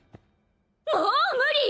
もう無理！